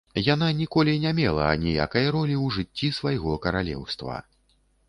Яна ніколі не мела аніякай ролі ў жыцці свайго каралеўства.